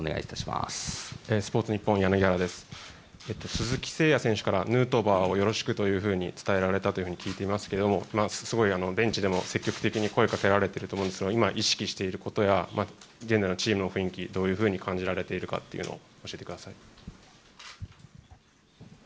鈴木誠也選手からヌートバーをよろしくと伝えられたと聞いていますけどすごいベンチでも積極的に声をかけられていると思いますが今、意識していることや現在のチームの雰囲気をどういうふうに感じられているか教えてください。